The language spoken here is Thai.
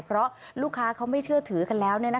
เพราะลูกค้าเขาไม่เชื่อถือกันแล้ว